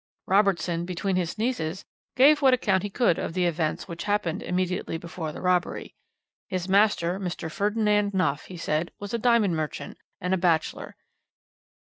"Robertson, between his sneezes, gave what account he could of the events which happened immediately before the robbery. "His master, Mr. Ferdinand Knopf, he said, was a diamond merchant, and a bachelor.